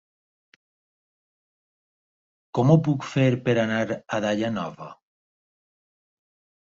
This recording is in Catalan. Com ho puc fer per anar a Daia Nova?